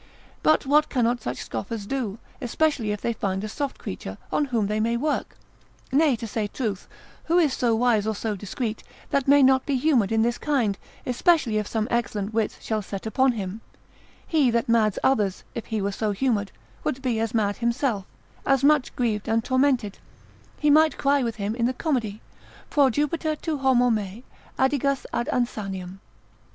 But what cannot such scoffers do, especially if they find a soft creature, on whom they may work? nay, to say truth, who is so wise, or so discreet, that may not be humoured in this kind, especially if some excellent wits shall set upon him; he that mads others, if he were so humoured, would be as mad himself, as much grieved and tormented; he might cry with him in the comedy, Proh Jupiter tu homo me, adigas ad insaniam.